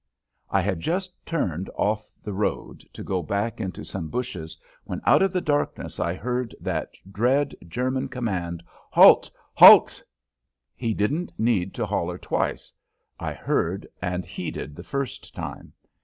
I had just turned off the road to go back into some bushes when out of the darkness I heard that dread German command: "Halt! Halt!" He didn't need to holler twice. I heard and heeded the first time.